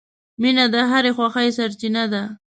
• مینه د هرې خوښۍ سرچینه ده.